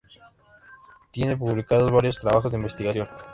Tiene publicados varios trabajos de investigación.